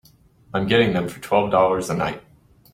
I'm getting them for twelve dollars a night.